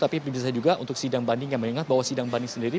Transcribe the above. tapi bisa juga untuk sidang banding yang mengingat bahwa sidang banding sendiri